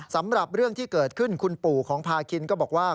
สำหรับเรื่องที่เกิดขึ้นคุณปู่ของพาคินก็บอกว่า